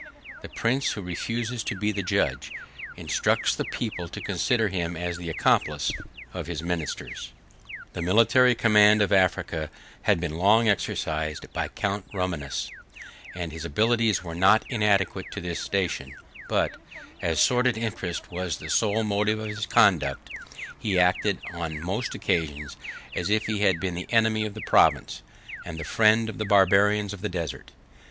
The prince who refuses to be the judge, instructs the people to consider him as the accomplice, of his ministers. The military command of Africa had been long exercised by Count Romanus, and his abilities were not inadequate to his station; but, as sordid interest was the sole motive of his conduct, he acted, on most occasions, as if he had been the enemy of the province, and the friend of the Barbarians of the desert.